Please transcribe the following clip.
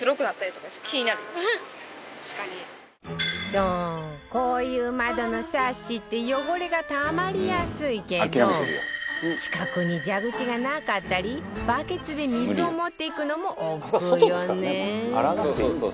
そうこういう窓のサッシって汚れがたまりやすいけど近くに蛇口がなかったりバケツで水を持っていくのも億劫よね